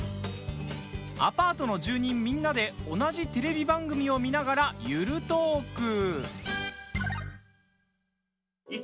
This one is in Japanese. アパートの住人みんなで同じテレビ番組を見ながらゆるトーク。